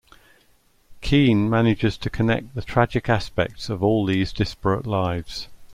Keen manages to connect the tragic aspects of all these disparate lives.